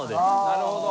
なるほど。